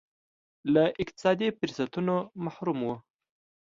له اقتصادي فرصتونو محروم وو.